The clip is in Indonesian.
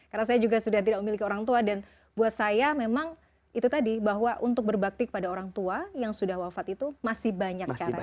karena saya juga sudah tidak memiliki orang tua dan buat saya memang itu tadi bahwa untuk berbakti kepada orang tua yang sudah wafat itu masih banyak